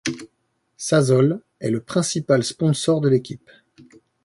Sasol est le principal sponsor de l'équipe.